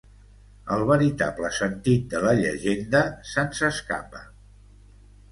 El veritable sentit de la llegenda se'ns escapa.